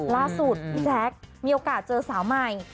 ล่าสุดพี่แจ๊คมีโอกาสเจอสาวใหม่